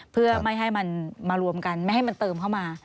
เพื่อไม่ให้มันมารวมกันไม่ให้มันเติมเข้ามา